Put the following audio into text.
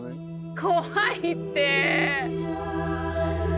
怖いって。